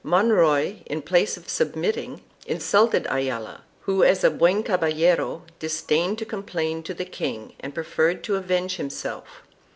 Monroy, in place of submitting, insulted Ayala, who as a "buen caballero" disdained to complain to the king and preferred to avenge himself.